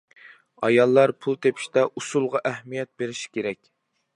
ئاياللار پۇل تېپىشتا ئۇسۇلغا ئەھمىيەت بېرىشى كېرەك.